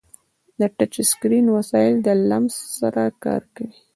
د ټچ اسکرین وسایل د لمس سره کار کوي.